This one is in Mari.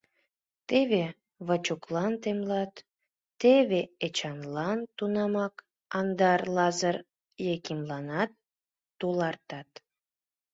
Теве Вачуклан темлат, теве Эчанлан, тунамак адак Лазыр Якимланат тулартат.